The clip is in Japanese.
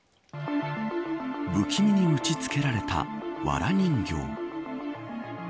不気味に打ち付けられたわら人形。